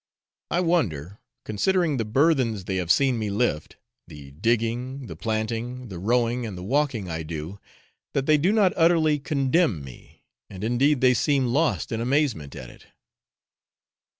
I wonder, considering the burthens they have seen me lift, the digging, the planting, the rowing, and the walking I do, that they do not utterly contemn me, and indeed they seem lost in amazement at it.